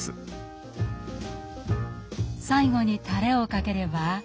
最後にたれをかければ